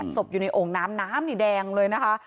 ศพอยู่ในโอ่งน้ำน้ำนี่แดงเลยนะคะ